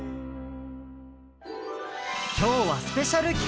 きょうはスペシャルきかく！